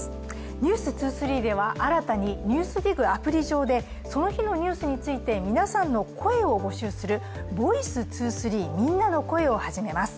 「ｎｅｗｓ２３」では新たに「ＮＥＷＳＤＩＧ」アプリ上でその日のニュースについて皆さんの声を募集する「ｖｏｉｃｅ２３みんなの声」を始めます。